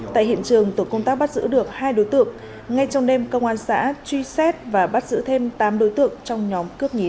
tại hiện trường tổ công tác bắt giữ được hai đối tượng ngay trong đêm công an xã truy xét và bắt giữ thêm tám đối tượng trong nhóm cướp nhí